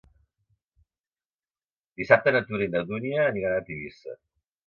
Dissabte na Tura i na Dúnia aniran a Tivissa.